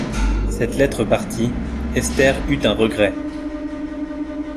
Cette lettre partie, Esther eut un regret.